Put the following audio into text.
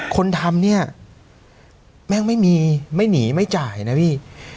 คนทำเนี่ยแม่งไม่มีไม่หนีไม่จ่ายนะพี่